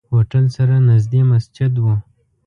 هوټل سره نزدې مسجد وو.